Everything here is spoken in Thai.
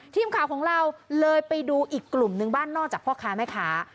ทีมข่าวของเราเลยไปดูอีกกลุ่มนึงบ้านนอกจากพ่อค้าแม่ค้า